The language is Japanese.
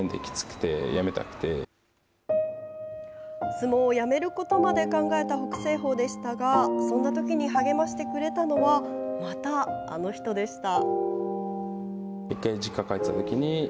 相撲をやめることまで考えた北青鵬でしたがそんなときに励ましてくれたのはまた、あの人でした。